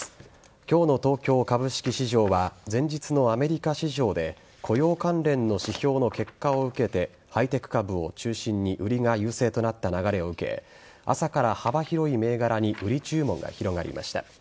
今日の東京株式市場は前日のアメリカ市場で雇用関連の指標の結果を受けてハイテク株を中心に売りが優勢となった流れを受け朝から幅広い銘柄に売り注文が広がりました。